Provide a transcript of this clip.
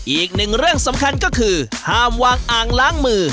อีกหนึ่งเรื่องสำคัญก็คือห้ามวางอ่างล้างมือ